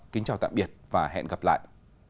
kính chào tạm biệt và hẹn gặp lại